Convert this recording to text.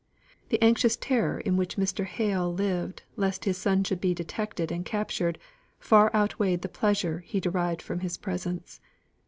The anxious terror in which Mr. Hale lived lest his son should be detected and captured, far outweighed the pleasure he derived from his presence.